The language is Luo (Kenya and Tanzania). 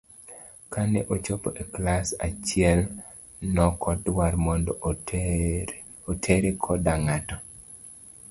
Kane ochopo e klas achiel nokodwar mondo otere kodas n'gato.